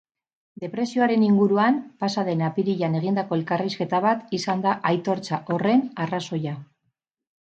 Depresioaren inguruan pasa den apirilean egindako elkarrizketa bat izan da aitortza horren arrazoia.